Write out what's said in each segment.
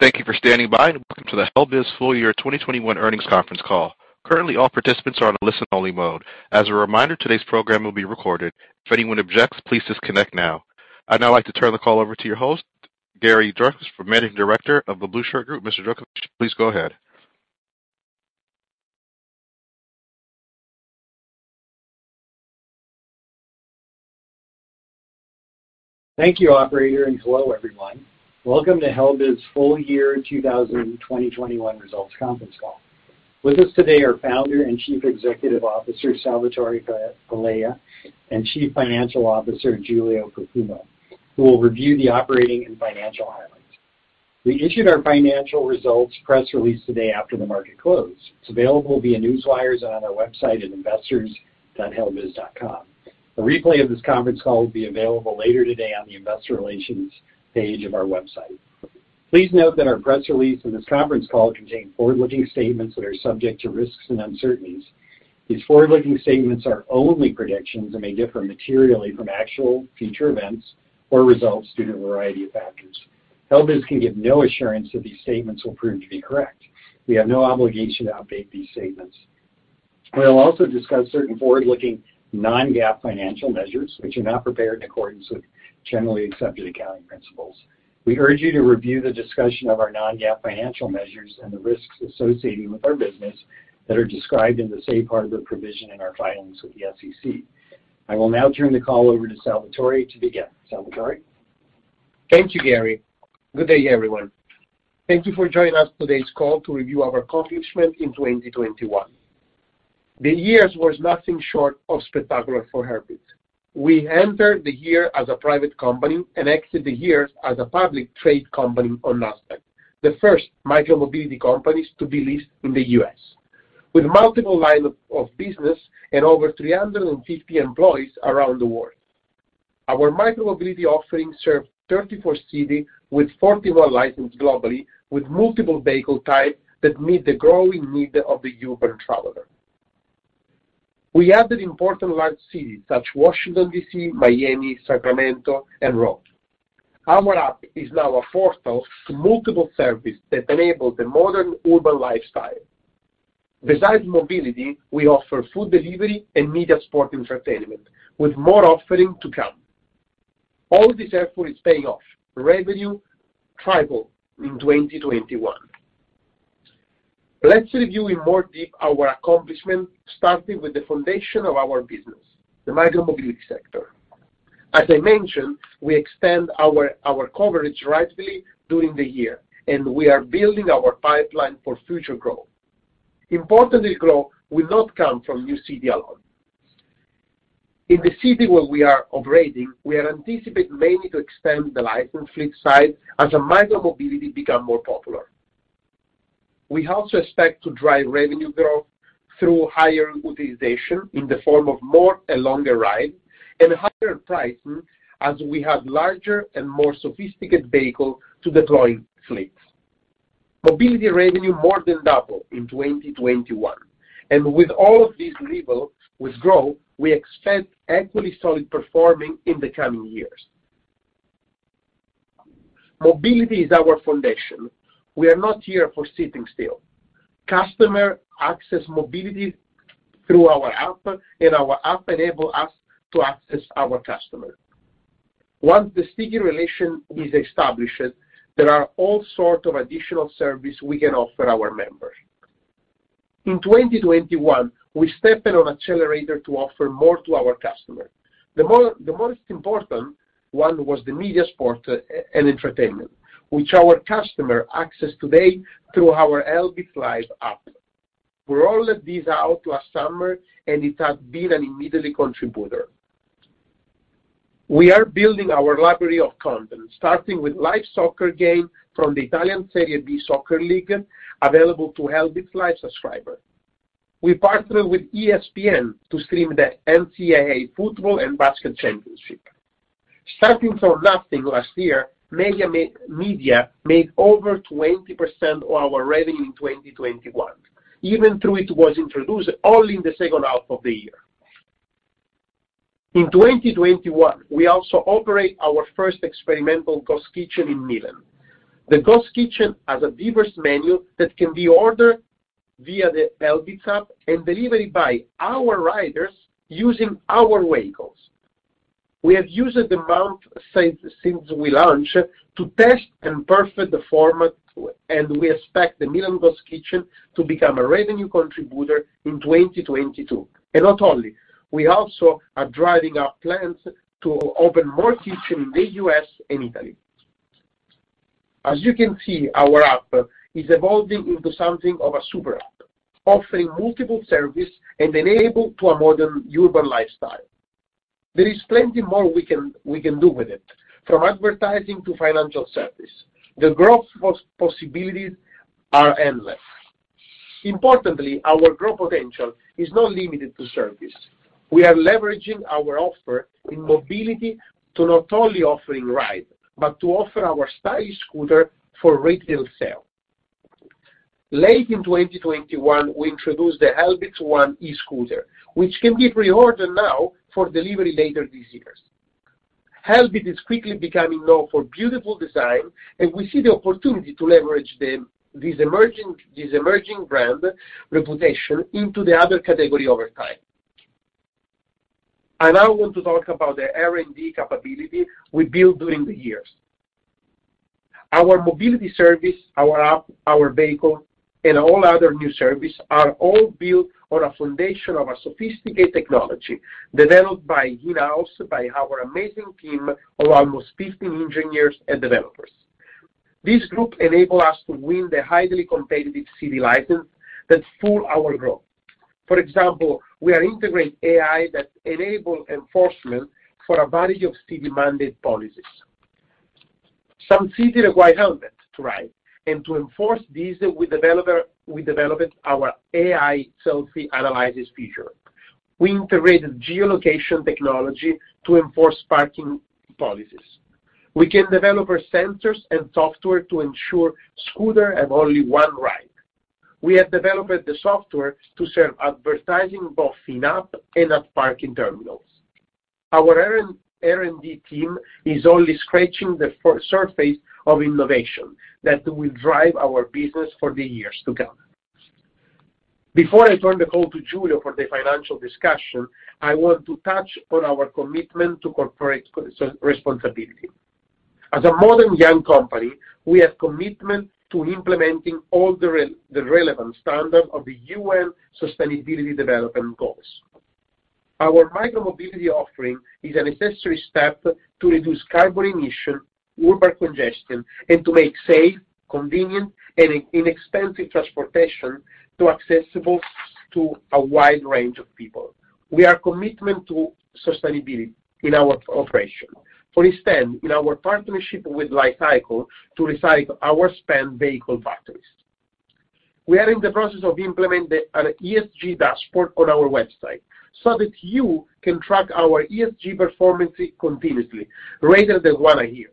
Thank you for standing by, and welcome to the Helbiz Full Year 2021 Earnings Conference Call. Currently, all participants are on a listen-only mode. As a reminder, today's program will be recorded. If anyone objects, please disconnect now. I'd now like to turn the call over to your host, Gary Dvorchak, Managing Director of The Blueshirt Group. Mr. Dvorchak, please go ahead. Thank you, operator, and hello, everyone. Welcome to Helbiz Full Year 2021 Results Conference Call. With us today are Founder and Chief Executive Officer, Salvatore Palella, and Chief Financial Officer, Giulio Profumo, who will review the operating and financial highlights. We issued our financial results press release today after the market closed. It's available via newswires and on our website at investors.helbiz.com. A replay of this conference call will be available later today on the investor relations page of our website. Please note that our press release and this conference call contain forward-looking statements that are subject to risks and uncertainties. These forward-looking statements are only predictions and may differ materially from actual future events or results due to a variety of factors. Helbiz can give no assurance that these statements will prove to be correct. We have no obligation to update these statements. We'll also discuss certain forward-looking non-GAAP financial measures which are not prepared in accordance with generally accepted accounting principles. We urge you to review the discussion of our non-GAAP financial measures and the risks associated with our business that are described in the safe harbor provision in our filings with the SEC. I will now turn the call over to Salvatore to begin. Salvatore? Thank you, Gary. Good day, everyone. Thank you for joining us on today's call to review our accomplishments in 2021. The year was nothing short of spectacular for Helbiz. We entered the year as a private company and exited the year as a publicly traded company on Nasdaq, the first micromobility company to be listed in the U.S. With multiple lines of business and over 350 employees around the world. Our micromobility offerings serve 34 cities with 41 licenses globally with multiple vehicle types that meet the growing need of the urban traveler. We added important large cities such as Washington, D.C., Miami, Sacramento, and Rome. Our app is now a portal to multiple services that enable the modern urban lifestyle. Besides mobility, we offer food delivery and media sports entertainment with more offerings to come. All this effort is paying off. Revenue tripled in 2021. Let's review in more depth our accomplishments, starting with the foundation of our business, the micromobility sector. As I mentioned, we expand our coverage rapidly during the year, and we are building our pipeline for future growth. Importantly, growth will not come from new cities alone. In the city where we are operating, we are anticipating mainly to expand the licensed fleet size as micromobility becomes more popular. We also expect to drive revenue growth through higher utilization in the form of more and longer rides and higher pricing as we add larger and more sophisticated vehicles to deployed fleets. Mobility revenue more than doubled in 2021. With all of these levels of growth, we expect equally solid performance in the coming years. Mobility is our foundation. We are not here for sitting still. Customers access mobility through our app, and our app enable us to access our customer. Once the sticky relation is established, there are all sorts of additional service we can offer our members. In 2021, we stepped on accelerator to offer more to our customer. The most important one was the media sports and entertainment, which our customers access today through our Helbiz Live app. We rolled this out last summer, and it has been an immediate contributor. We are building our library of content, starting with live soccer game from the Italian Serie B soccer league available to Helbiz Live subscriber. We partnered with ESPN to stream the NCAA football and basketball championship. Starting from nothing last year, media made over 20% of our revenue in 2021, even though it was introduced only in the second half of the year. In 2021, we also operate our first experimental ghost kitchen in Milan. The ghost kitchen has a diverse menu that can be ordered via the Helbiz app and delivered by our riders using our vehicles. We have used the demand since we launched to test and perfect the format, and we expect the Milan ghost kitchen to become a revenue contributor in 2022. Not only, we also are driving our plans to open more kitchens in the U.S. and Italy. As you can see, our app is evolving into something of a super app, offering multiple services and enabling a modern urban lifestyle. There is plenty more we can do with it, from advertising to financial services. The growth possibilities are endless. Importantly, our growth potential is not limited to services. We are leveraging our offer in mobility to not only offer rides, but to offer our stylish scooter for retail sale. Late in 2021, we introduced the Helbiz One e-scooter, which can be pre-ordered now for delivery later this year. Helbiz is quickly becoming known for beautiful design, and we see the opportunity to leverage this emerging brand reputation into the other category over time. I now want to talk about the R&D capability we built during the years. Our mobility service, our app, our vehicle and all other new service are all built on a foundation of a sophisticated technology developed in-house by our amazing team of almost 15 engineers and developers. This group enable us to win the highly competitive city license that fuel our growth. For example, we are integrating AI that enable enforcement for a variety of city-mandated policies. Some cities require helmets to ride, and to enforce this we developed our AI selfie analysis feature. We integrated geolocation technology to enforce parking policies. We can develop our sensors and software to ensure scooters have only one rider. We have developed the software to serve advertising both in app and at parking terminals. Our R&D team is only scratching the surface of innovation that will drive our business for the years to come. Before I turn the call to Giulio for the financial discussion, I want to touch on our commitment to corporate responsibility. As a modern, young company, we have commitment to implementing all the relevant standard of the UN Sustainable Development Goals. Our micromobility offering is a necessary step to reduce carbon emissions, urban congestion, and to make safe, convenient, and inexpensive transportation accessible to a wide range of people. We are committed to sustainability in our operations. For instance, in our partnership with Li-Cycle to recycle our spent vehicle batteries. We are in the process of implementing an ESG dashboard on our website so that you can track our ESG performance continuously rather than once a year.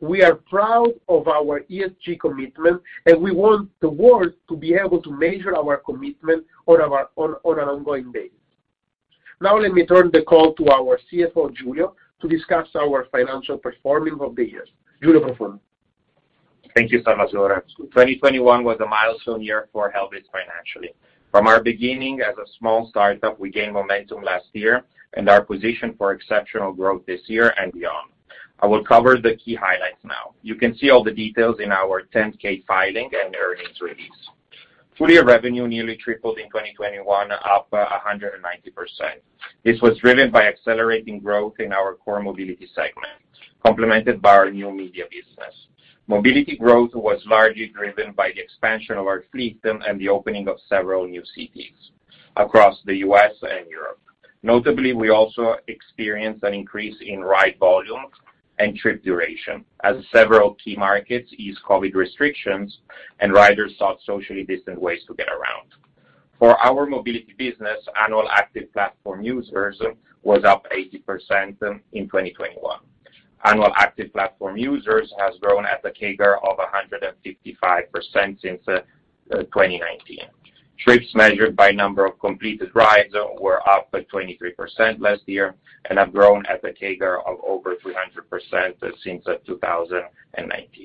We are proud of our ESG commitment, and we want the world to be able to measure our commitment on an ongoing basis. Now let me turn the call to our CFO, Giulio, to discuss our financial performance for the year. Thank you, Salvatore. 2021 was a milestone year for Helbiz financially. From our beginning as a small start-up, we gained momentum last year and are positioned for exceptional growth this year and beyond. I will cover the key highlights now. You can see all the details in our 10-K filing and earnings release. Full-year revenue nearly tripled in 2021, up 190%. This was driven by accelerating growth in our core mobility segment, complemented by our new media business. Mobility growth was largely driven by the expansion of our fleet and the opening of several new cities across the U.S. and Europe. Notably, we also experienced an increase in ride volumes and trip duration as several key markets eased COVID restrictions and riders sought socially distant ways to get around. For our mobility business, annual active platform users was up 80% in 2021. Annual active platform users has grown at a CAGR of 155% since 2019. Trips measured by number of completed rides were up by 23% last year and have grown at a CAGR of over 300% since 2019.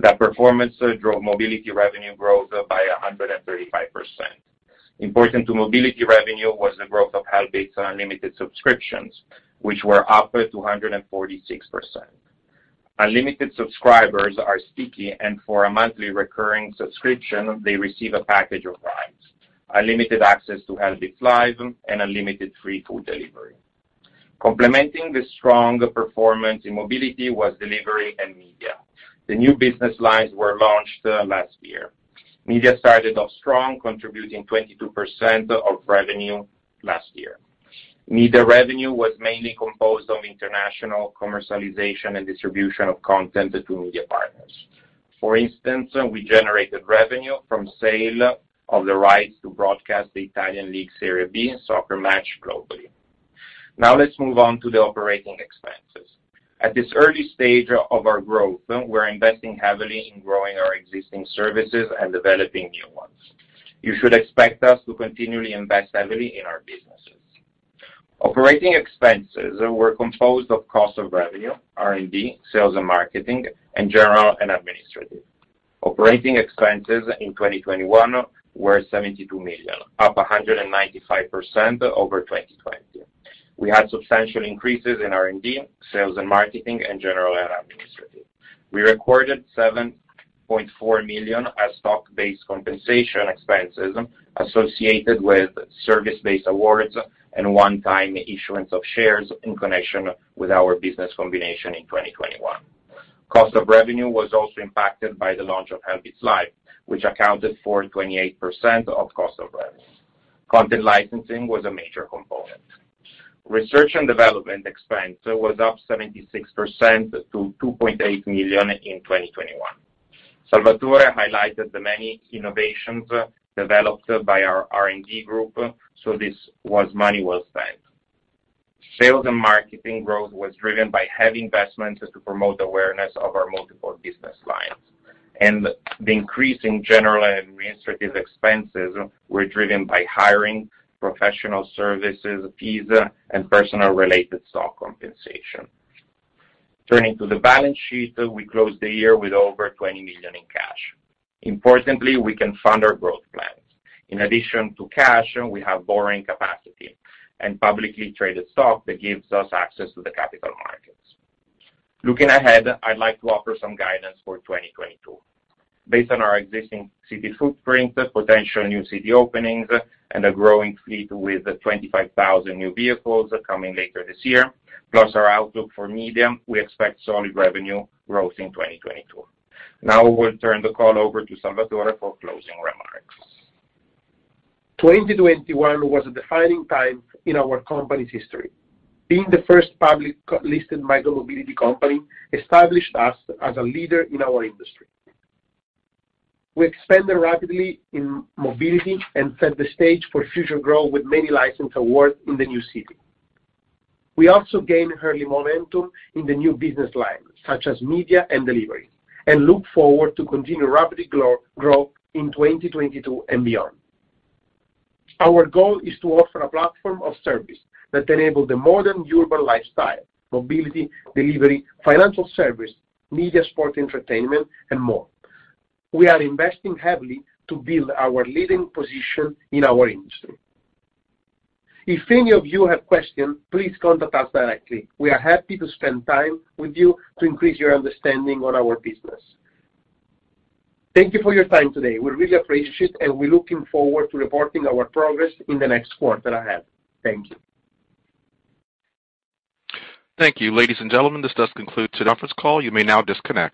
That performance drove mobility revenue growth by 135%. Important to mobility revenue was the growth of Helbiz Unlimited subscriptions, which were up 246%. Unlimited subscribers are sticky, and for a monthly recurring subscription, they receive a package of rides, unlimited access to Helbiz Live, and unlimited free food delivery. Complementing the strong performance in mobility was delivery and media. The new business lines were launched last year. Media started off strong, contributing 22% of revenue last year. Media revenue was mainly composed of international commercialization and distribution of content to media partners. For instance, we generated revenue from sale of the rights to broadcast the Italian League Serie B soccer match globally. Now let's move on to the operating expenses. At this early stage of our growth, we're investing heavily in growing our existing services and developing new ones. You should expect us to continually invest heavily in our businesses. Operating expenses were composed of cost of revenue, R&D, sales and marketing, and general and administrative. Operating expenses in 2021 were $72 million, up 195% over 2020. We had substantial increases in R&D, sales and marketing, and general and administrative. We recorded $7.4 million as stock-based compensation expenses associated with service-based awards and one-time issuance of shares in connection with our business combination in 2021. Cost of revenue was also impacted by the launch of Helbiz Live, which accounted for 28% of cost of revenue. Content licensing was a major component. Research and development expense was up 76% to $2.8 million in 2021. Salvatore highlighted the many innovations developed by our R&D group, so this was money well spent. Sales and marketing growth was driven by heavy investments to promote awareness of our multiple business lines. The increase in general and administrative expenses were driven by hiring professional services, fees, and personnel-related stock compensation. Turning to the balance sheet, we closed the year with over $20 million in cash. Importantly, we can fund our growth plans. In addition to cash, we have borrowing capacity and publicly traded stock that gives us access to the capital markets. Looking ahead, I'd like to offer some guidance for 2022. Based on our existing city footprint, potential new city openings, and a growing fleet with 25,000 new vehicles coming later this year, plus our outlook for media, we expect solid revenue growth in 2022. Now I will turn the call over to Salvatore for closing remarks. 2021 was a defining time in our company's history. Being the first publicly listed micromobility company established us as a leader in our industry. We expanded rapidly in mobility and set the stage for future growth with many license awards in the new city. We also gained early momentum in the new business lines, such as media and delivery, and look forward to continued rapid growth in 2022 and beyond. Our goal is to offer a platform of service that enable the modern urban lifestyle, mobility, delivery, financial service, media sport entertainment, and more. We are investing heavily to build our leading position in our industry. If any of you have questions, please contact us directly. We are happy to spend time with you to increase your understanding on our business. Thank you for your time today. We really appreciate, and we're looking forward to reporting our progress in the next quarter ahead. Thank you. Thank you. Ladies and gentlemen, this does conclude today's conference call. You may now disconnect.